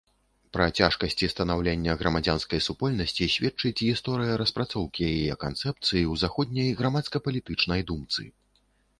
Пра цяжкасці станаўлення грамадзянскай супольнасці сведчыць гісторыя распрацоўкі яе канцэпцыі ў заходняй грамадска-палітычнай думцы.